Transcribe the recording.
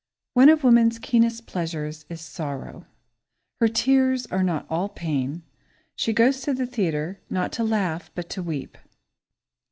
One of woman's keenest pleasures is sorrow. Her tears are not all pain. She goes to the theatre, not to laugh, but to weep.